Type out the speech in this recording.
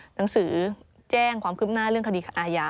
หนังสือแจ้งความคืบหน้าเรื่องคดีอาญา